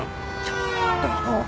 ちょっと！